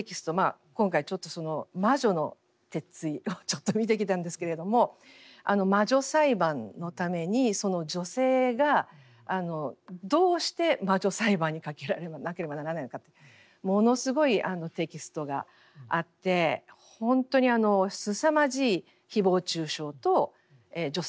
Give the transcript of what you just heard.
今回「魔女の鉄槌」をちょっと見てきたんですけれども魔女裁判のために女性がどうして魔女裁判にかけられなければならないのかってものすごいテキストがあって本当にすさまじい誹謗中傷と女性蔑視。